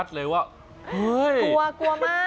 โดด